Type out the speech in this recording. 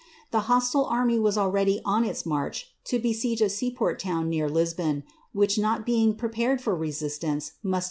The hostile array was already rch to besiege a seaport town near lisbon, which not being for resistance, must ha?